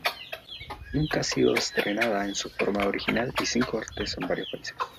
Nunca ha sido estrenada en su forma original y sin cortes en varios países.